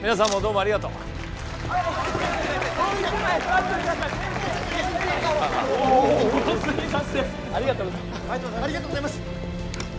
ありがとうございます。